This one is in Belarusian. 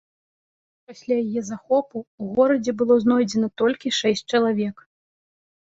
Пасля яе захопу ў горадзе было знойдзена толькі шэсць чалавек.